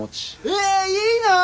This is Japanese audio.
えいいな！